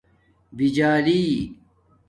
بجالی